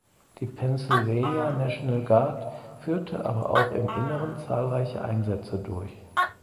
Die Pennsylvania National Guard führte aber auch im Inneren zahlreiche Einsätze durch.